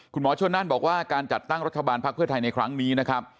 คุณหมอชนนั่นบอกว่าการจัดตั้งรัฐบาลภักดิ์เพื่อไทยในครั้งนี้นะครับ